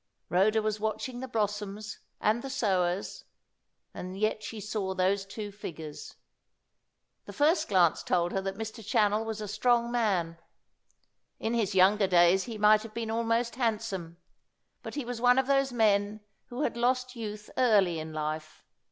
Rhoda was watching the blossoms and the sowers, and yet she saw those two figures. The first glance told her that Mr. Channell was a strong man. In his younger days he might have been almost handsome, but he was one of those men who had lost youth early in life.